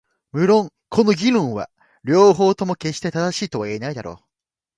無論この議論は両方とも決して正しいとは言えないだろう。